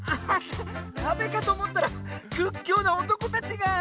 かべかとおもったらくっきょうなおとこたちが！